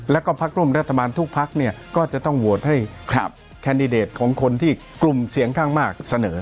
แล้วก็พักร่วมรัฐบาลทุกพักเนี่ยก็จะต้องโหวตให้แคนดิเดตของคนที่กลุ่มเสียงข้างมากเสนอ